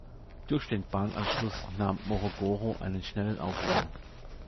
Durch den Bahnanschluss nahm Morogoro einen schnellen Aufschwung.